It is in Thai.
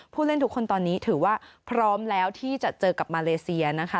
ผู้เล่นทุกคนตอนนี้ถือว่าพร้อมแล้วที่จะเจอกับมาเลเซียนะคะ